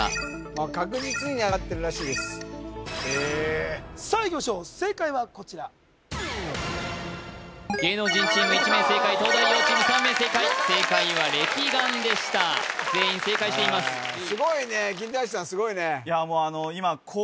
もう確実に習ってるらしいです・ええさあいきましょう正解はこちら芸能人チーム１名正解東大王チーム３名正解正解はれき岩でした全員正解していますすごいね金田一さん